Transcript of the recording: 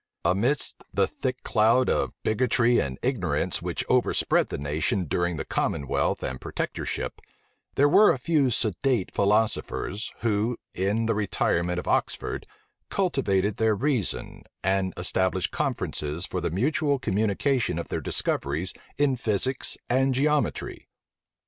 Amidst the thick cloud of bigotry and ignorance which overspread the nation during the commonwealth and protectorship, there were a few sedate philosophers, who, in the retirement of Oxford, cultivated their reason, and established conferences for the mutual communication of their discoveries in physics and geometry.